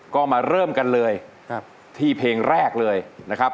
ก็มาเริ่มกันเลยที่เพลงแรกเลยนะครับ